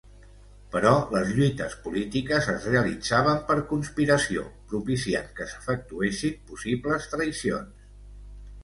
Però les lluites polítiques es realitzaven per conspiració, propiciant que s'efectuessin possibles traïcions.